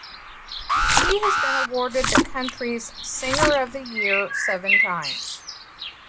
He has been awarded the country's "Singer of the Year" seven times.